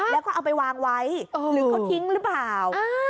แล้วก็เอาไปวางไว้หรือเขาทิ้งหรือเปล่า